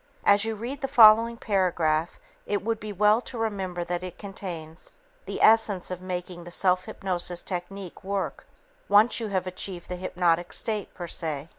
As you read the following paragraph, it would be well to remember that it contains the essence of making the self hypnosis technique work once you have achieved the hypnotic state, per se.